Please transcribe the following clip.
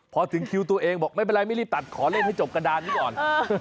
พอถึงคิวตัวเองบอกไม่เป็นไรไม่รีบตัดขอเล่นให้จบกระดานนี้ก่อน